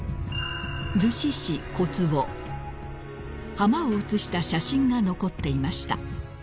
［浜を写した写真が残っていました］